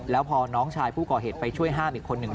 แล้วพอน้องชายผู้ก่อเหตุไปช่วยห้ามอีกคนหนึ่ง